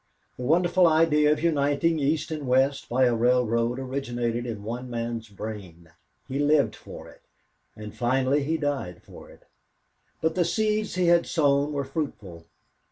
The wonderful idea of uniting East and West by a railroad originated in one man's brain; he lived for it, and finally he died for it. But the seeds he had sown were fruitful.